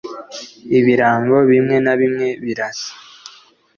ibirango bimwe na bimwe birasa ,